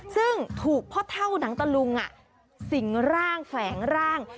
ซึ่งถูกพ่อเท่าหนังตะลุงสิงร่างแฝงร่าง